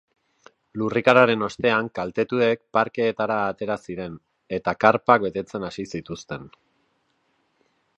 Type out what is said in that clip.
Lurrikararen ostean kaltetuek parkeetara atera ziren eta karpak betetzen hasi zituzten.